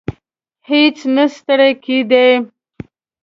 هیڅ نه ستړی کېدی.